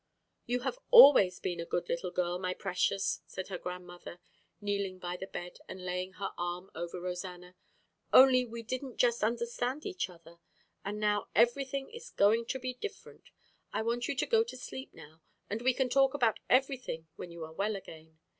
"You have always been a good little girl, my precious," said her grandmother, kneeling by the bed and laying her arm over Rosanna. "Only we didn't just understand each other, and now everything is going to be different. I want you to go to sleep now, and we can talk about everything when you are well again.